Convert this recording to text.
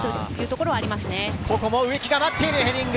ここも植木が待っている、ヘディング。